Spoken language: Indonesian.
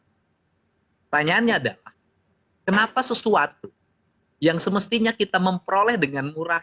pertanyaannya adalah kenapa sesuatu yang semestinya kita memperoleh dengan murah